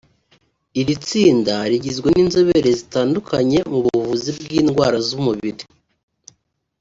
Iri tsinda rigizwe n’inzobere zitandukanye mu buvuzi bw’indwara z’umubiri